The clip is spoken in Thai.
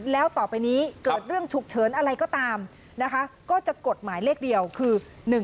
แล้วต่อไปนี้เกิดเรื่องฉุกเฉินอะไรก็ตามนะคะก็จะกฎหมายเลขเดียวคือ